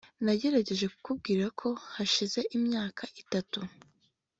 Nagerageje kukubwira ko hashize imyaka itatu